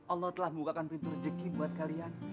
allah telah bukakan pintu rejeki buat kalian